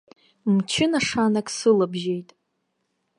Мчы нашанак сылабжьеит.